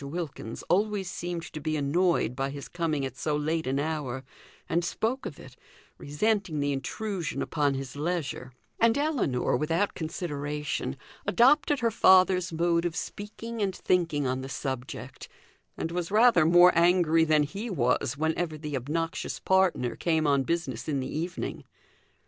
Wilkins always seemed to be annoyed by his coming at so late an hour, and spoke of it, resenting the intrusion upon his leisure; and Ellinor, without consideration, adopted her father's mode of speaking and thinking on the subject, and was rather more angry than he was whenever the obnoxious partner came on business in the evening.